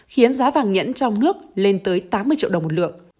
khiến giá vàng nhẫn trong nước lên tới tám mươi triệu đồng một lượng